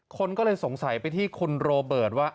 คนก็เลยสงสัยไปที่คุณโรเบิร์ตว่า